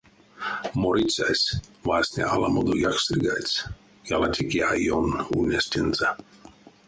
Морыцясь васня аламодо якстерьгадсь, ялатеке а ён ульнесь тензэ.